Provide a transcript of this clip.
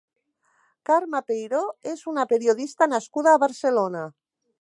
Karma Peiró és una periodista nascuda a Barcelona.